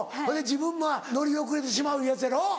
それで自分も乗り遅れてしまうやつやろ。